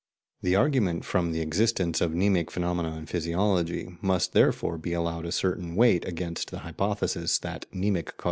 The argument from the existence of mnemic phenomena in physiology must therefore be allowed a certain weight against the hypothesis that mnemic causation is ultimate.